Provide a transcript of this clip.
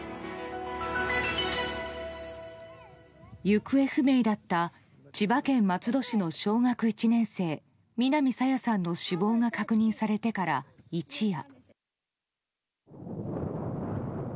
行方不明だった千葉県松戸市の小学１年生南朝芽さんの死亡が確認されてから一夜。